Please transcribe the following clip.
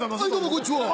こんにちは。